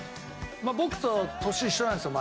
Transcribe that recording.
僕と年一緒なんですよ。